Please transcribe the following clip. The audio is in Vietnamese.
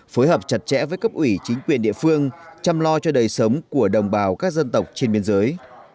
phối hợp chặt chẽ với cấp ủy chính quyền địa phương chăm lo cho đời sống của đồng bào các dân tộc trên biên giới